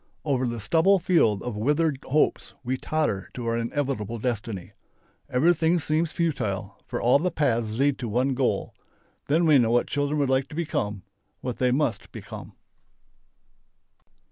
Over the stubble field of withered hopes we totter to our inevitable destiny. Everything seems futile, for all paths lead to one goal. Then we know what children would like to become, what they must become.